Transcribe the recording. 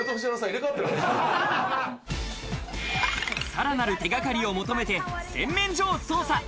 さらなる手がかりを求めて洗面所を捜査。